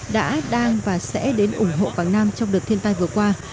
đã đang và sẽ đến ủng hộ quảng nam trong đợt thiên tai vừa qua